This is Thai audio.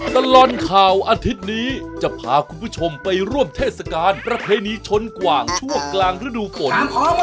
ตลอดข่าวอาทิตย์นี้จะพาคุณผู้ชมไปร่วมเทศกาลประเพณีชนกว่างช่วงกลางฤดูฝน